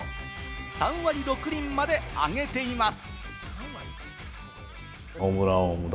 ３割６厘まで上げています。